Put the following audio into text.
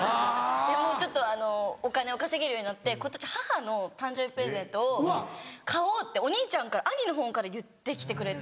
ちょっとお金を稼げるようになって今年母の誕生日プレゼントを買おうってお兄ちゃんから兄のほうから言って来てくれて。